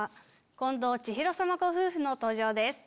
近藤千尋さまご夫婦の登場です。